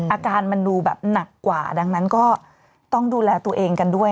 อาการมันดูแบบหนักกว่าดังนั้นก็ต้องดูแลตัวเองกันด้วย